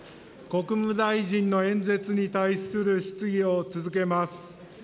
国務大臣の演説に対する質疑を続けます。